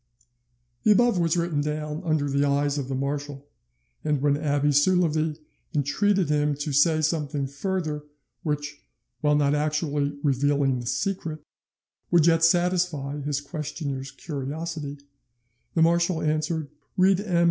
The above was written down under the eyes of the marshal, and when Abbe Soulavie entreated him to say something further which, while not actually revealing the secret, would yet satisfy his questioner's curiosity, the marshal answered, "Read M.